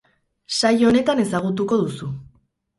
Saio honetan ezagutuko duzu.